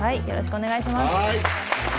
よろしくお願いします。